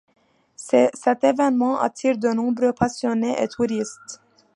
Cet événement attire de nombreux passionnés et touristes.